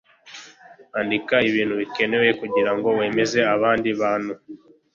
andika ibintu bikenewe kugirango wemeze abandi bantu